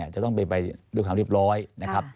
จะต้องไปเรียบร้อยนะครับ